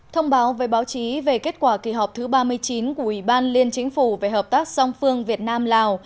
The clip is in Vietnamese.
thông báo với báo chí về kết quả kỳ họp thứ ba mươi chín của ủy ban liên chính phủ về hợp tác song phương việt nam lào